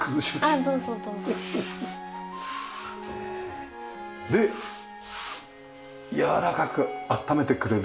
あっどうぞどうぞ。でやわらかく暖めてくれるような。